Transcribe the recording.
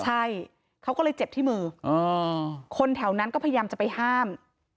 ใช่เขาก็เลยเจ็บที่มือคนแถวนั้นก็พยายามจะไปห้าม